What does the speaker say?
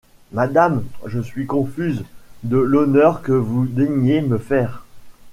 Madame, je suis confuse de l’honneur que vous daignez me faire...